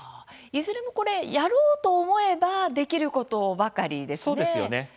いずれも、やろうと思えばできることばかりですね。